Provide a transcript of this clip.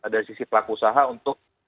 dari sisi pelaku usaha untuk